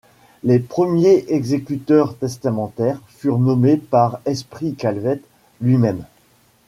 Les premiers exécuteurs testamentaires furent nommés par Esprit Calvet lui-même.